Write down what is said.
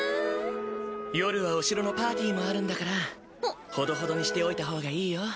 夜はお城のパーティーもあるんだからほどほどにしておいた方がいいよ。